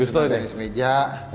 senangnya tenis meja